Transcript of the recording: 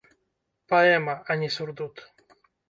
Паэма, а не сурдут.